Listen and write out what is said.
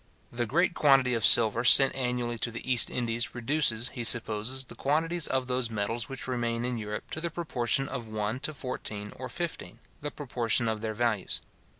The great quantity of silver sent annually to the East Indies reduces, he supposes, the quantities of those metals which remain in Europe to the proportion of one to fourteen or fifteen, the proportion of their values.